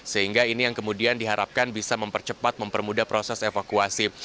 sehingga ini yang kemudian diharapkan bisa mempercepat mempermudah proses evakuasi